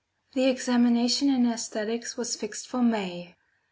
The examination in æsthetics was fixed for May.